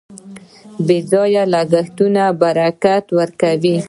بې ځایه لګښتونه برکت ورکوي.